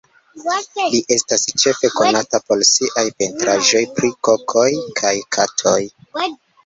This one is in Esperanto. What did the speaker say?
Li estas ĉefe konata por siaj pentraĵoj pri kokoj kaj katoj.